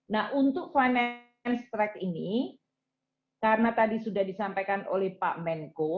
nah untuk finance track ini karena tadi sudah disampaikan oleh pak menko